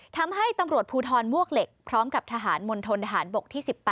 ทำให้ตำรวจภูทรมวกเหล็กพร้อมกับทหารมณฑนทหารบกที่๑๘